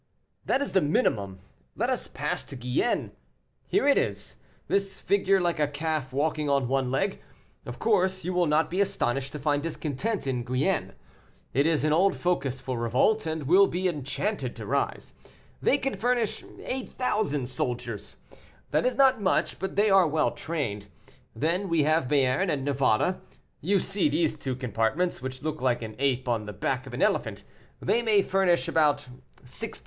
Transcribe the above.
"That is the minimum; let us pass to Guyenne; here it is, this figure like a calf walking on one leg. Of course, you will not be astonished to find discontent in Guyenne; it is an old focus for revolt, and will be enchanted to rise. They can furnish 8,000 soldiers; that is not much, but they are well trained. Then we have Béarn and Navarre; you see these two compartments, which look like an ape on the back of an elephant they may furnish about 16,000.